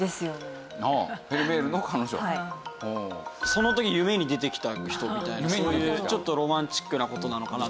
その時夢に出てきた人みたいなそういうちょっとロマンチックな事なのかな？